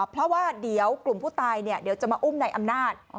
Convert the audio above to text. เพราะว่าเดี๋ยวกลุ่มผู้ตายเดี๋ยวจะมาอุ้มในอำนาจ